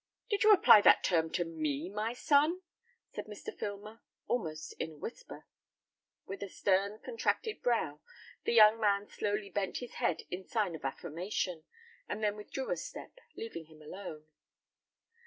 "Did you apply that term to me, my son?" said Mr. Filmer, almost in a whisper. With a stern, contracted brow, the young man slowly bent his head in sign of affirmation, and then withdrew a step, leaving him alone.